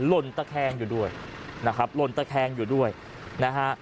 ลนตะแคงอยู่ด้วยนะครับหล่นตะแคงอยู่ด้วยนะฮะ